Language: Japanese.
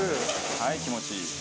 はい気持ちいい。